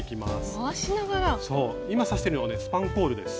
そう今刺してるのがスパンコールです。